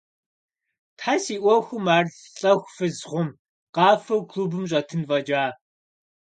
Тхьэ, си ӏуэхум ар лӏэху фыз хъум, къафэу клубым щӏэтын фӏэкӏа…